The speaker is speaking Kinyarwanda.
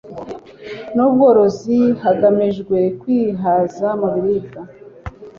n ubworozi hagamijwe kwihaza mu biribwa